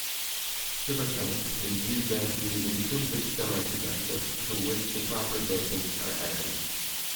Silicon is used as the intrinsic semiconductor, to which the proper dopants are added.